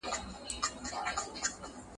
ښه خبره زړونه خوشحالوي